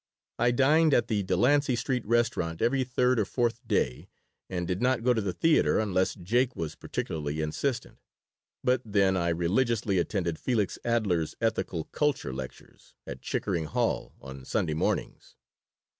I dined at the Delancey Street restaurant every third or fourth day, and did not go to the theater unless Jake was particularly insistent. But then I religiously attended Felix Adler's ethical culture lectures, at Chickering Hall, on Sunday mornings.